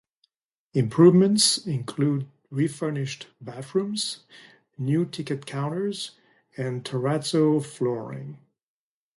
Improvements include refurbished bathrooms, new ticket counters, and terrazzo flooring.